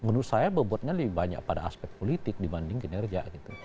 menurut saya bobotnya lebih banyak pada aspek politik dibanding kinerja gitu